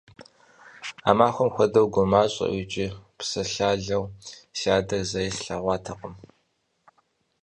А махуэм хуэдэу гумащӀэу икӀи псалъалэу си адэр зэи слъэгъуатэкъым.